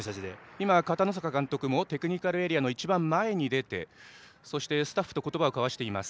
片野坂監督もテクニカルエリアの一番前に出てスタッフと言葉を交わしています。